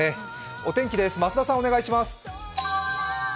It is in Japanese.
お天気です、増田さんお願いします。